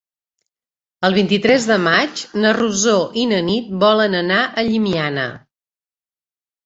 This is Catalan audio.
El vint-i-tres de maig na Rosó i na Nit volen anar a Llimiana.